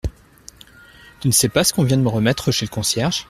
Tu ne sais pas ce qu’on vient de me remettre chez le concierge ?